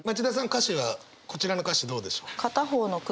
歌詞はこちらの歌詞どうでしょう？